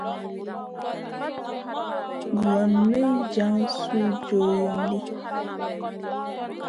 Guroyn may jan suh jorion ɗi.